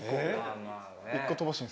１個飛ばしにする？